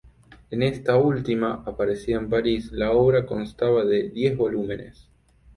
En esta última, aparecida en París, la obra constaba ya de diez volúmenes.